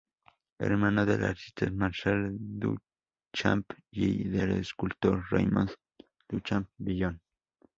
Hermano del artista Marcel Duchamp y del escultor Raymond Duchamp-Villon.